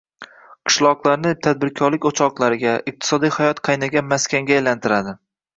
– qishloqlarni tadbirkorlik o‘choqlariga, iqtisodiy hayot qaynagan maskanga aylantiradi.